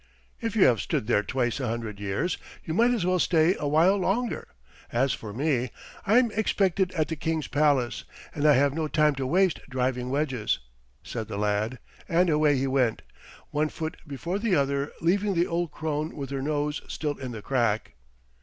"If you have stood there twice a hundred years you might as well stay a while longer. As for me, I'm expected at the King's palace, and I have no time to waste driving wedges," said the lad, and away he went, one foot before the other, leaving the old crone with her nose still in the crack.